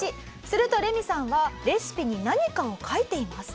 するとレミさんはレシピに何かを書いています。